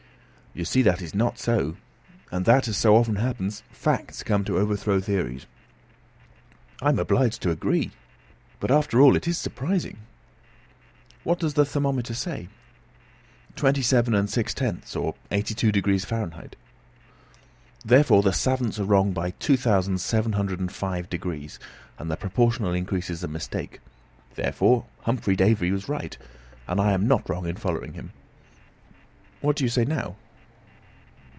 "You see that it is not so, and that, as so often happens, facts come to overthrow theories." "I am obliged to agree; but, after all, it is surprising." "What does the thermometer say?" "Twenty seven, six tenths (82° Fahr.)." "Therefore the savants are wrong by 2,705°, and the proportional increase is a mistake. Therefore Humphry Davy was right, and I am not wrong in following him. What do you say now?"